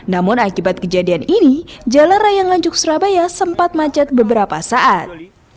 namun akibat kejadian ini jalan raya nganjuk surabaya sempat macet beberapa saat